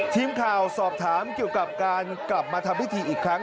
ทีมข่าวสอบถามเกี่ยวกับการกลับมาทำพิธีอีกครั้ง